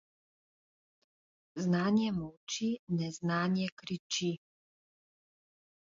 Znanje molči, neznanje kriči.